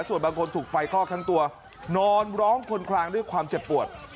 ส่วนบางคนถูกไฟคลอกทั้งตัวนอนร้องคนคลางด้วยความเจ็บปวด